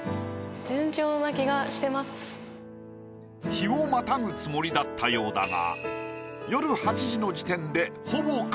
日をまたぐつもりだったようだが。